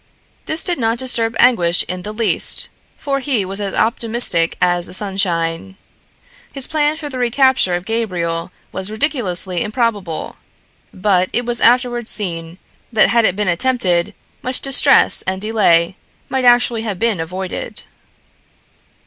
This did not disturb Anguish in the least, for he was as optimistic as the sunshine. His plan for the recapture of Gabriel was ridiculously improbable, but it was afterwards seen that had it been attempted much distress and delay might actually have been avoided.